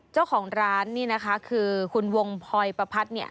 เจ้าของร้านนี่นะคะคือคุณวงพลอยประพัดเนี่ย